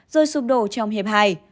rồi sụp đổ trong hiệp hai